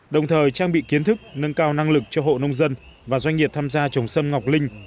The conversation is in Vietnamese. đồng thời trang bị kiến thức nâng cao năng lực cho hộ nông dân và doanh nghiệp tham gia trồng sâm ngọc linh